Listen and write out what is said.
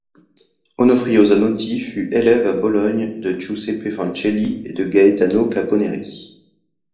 Onofrio Zanotti fut élève à Bologne de Giuseppe Fancelli et de Gaetano Caponeri.